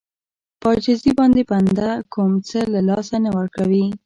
په عاجزي باندې بنده کوم څه له لاسه نه ورکوي.